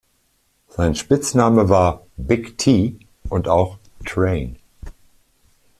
Sein Spitzname war „Big T“ und auch „Train“.